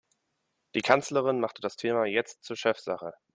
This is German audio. Die Kanzlerin machte das Thema jetzt zur Chefsache.